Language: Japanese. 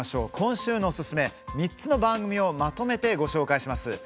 今週のおすすめ、３つの番組をまとめてご紹介します。